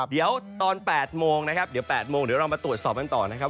เดี๋ยวตอน๘โมงนะครับเดี๋ยว๘โมงเดี๋ยวเรามาตรวจสอบกันต่อนะครับ